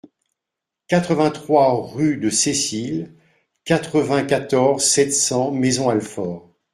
quatre-vingt-trois rue de Cécile, quatre-vingt-quatorze, sept cents, Maisons-Alfort